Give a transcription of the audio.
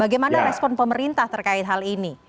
bagaimana respon pemerintah terkait hal ini